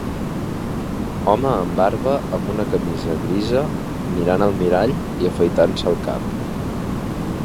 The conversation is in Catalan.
Home amb barba amb una camisa grisa mirant al mirall i afaitant-se el cap.